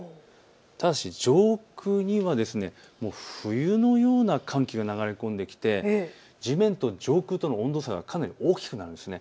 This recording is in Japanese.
ただし上空には冬のような寒気が流れ込んできて地面と上空との温度差がかなり大きくなるんです。